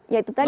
ya itu tadi